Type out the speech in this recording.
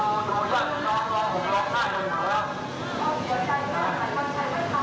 ท่าสมมุติได้ทำไมดีนะ